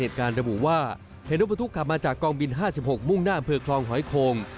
เห็นรถบรรทุกขับมาจากกองบิล๕๖มุ่งหน้าอังเภิกครองโค้ง